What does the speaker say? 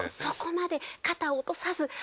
そこまで肩を落とさず。